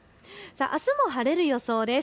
あすも晴れる予想です。